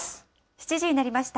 ７時になりました。